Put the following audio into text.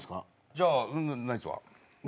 じゃあナイツは？